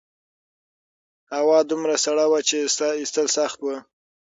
هوا دومره سړه وه چې سا ایستل سخت وو.